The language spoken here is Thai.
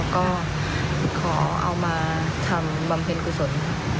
ก็ขอเอามาทำบำเพ็ญกุศล